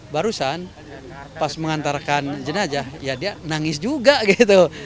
barusan pas mengantarkan jenajah ya dia nangis juga gitu